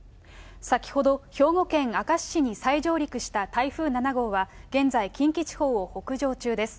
兵庫県明石市に再上陸した台風７号は、現在、近畿地方を北上中です。